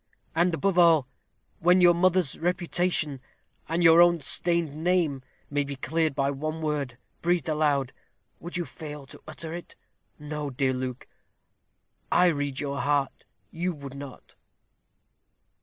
And, above all, when your mother's reputation, and your own stained name, may be cleared by one word, breathed aloud, would you fail to utter it? No, dear Luke, I read your heart; you would not."